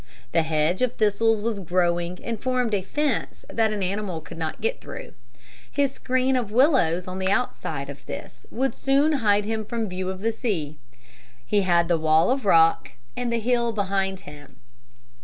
The hedge of thistles was growing and formed a fence that an animal could not get through. His screen of willows on the outside of this would soon hide him from view from the sea. He had the wall of rock and the hill behind him.